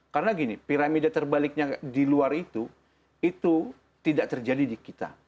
karena gini piramida terbaliknya di luar itu itu tidak terjadi di kita